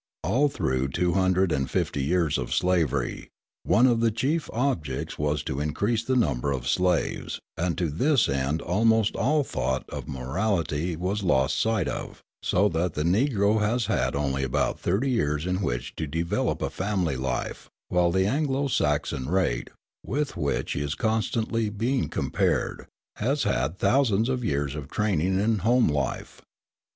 All through two hundred and fifty years of slavery, one of the chief objects was to increase the number of slaves; and to this end almost all thought of morality was lost sight of, so that the Negro has had only about thirty years in which to develop a family life; while the Anglo Saxon rate, with which he is constantly being compared, has had thousands of years of training in home life.